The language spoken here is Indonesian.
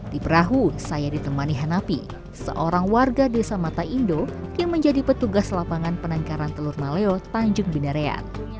di perahu saya ditemani hanapi seorang warga desa mata indo yang menjadi petugas lapangan penangkaran telur maleo tanjung binarean